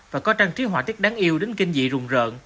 và có trang trí họa tiết đáng yêu đến kinh dị rùng rợn